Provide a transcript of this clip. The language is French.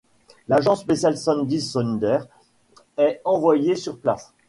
L'agent spécial Sandy Saunders est envoyé sur place.